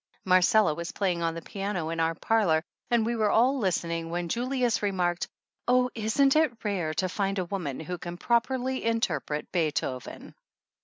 Marcella was playing on the piano in our parlor and we were all listening when Julius remarked : "Oh, isn't it rare to find a woman who can properly interpret Beethoven